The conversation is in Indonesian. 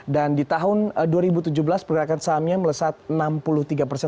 dan di tahun dua ribu tujuh belas pergerakan sahamnya melesatkan